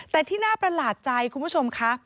แต่ที่น่าประหลาดใจคุณผู้ชมค่ะ